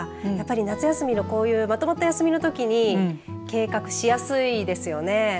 夏休みのこういうまとまった休みのときに計画しやすいですよね。